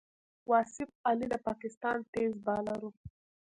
واصف علي د پاکستان تېز بالر وو.